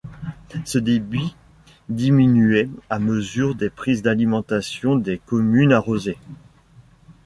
Ce débit diminuait à mesure des prises d'alimentation des communes arrosées.